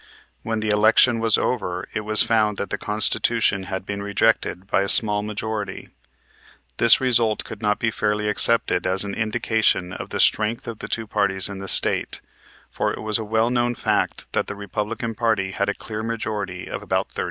When the election was over it was found that the Constitution had been rejected by a small majority. This result could not be fairly accepted as an indication of the strength of the two parties in the State, for it was a well known fact that the Republican party had a clear majority of about 30,000.